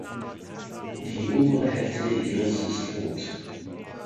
Die obere Hälfte der Iris ist rot.